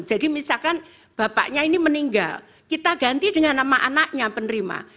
jadi misalkan bapaknya ini meninggal kita ganti dengan nama anaknya penerima